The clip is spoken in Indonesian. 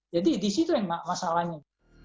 jadi disitu yang masalahnya